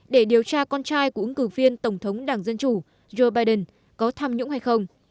để điều tra con trai của ứng cử viên tổng thống đảng dân chủ joe biden có tham nhũng hay không